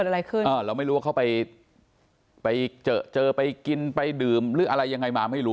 เราไม่รู้ว่าเขาไปเจอไปกินไปดื่มหรืออะไรยังไงมาไม่รู้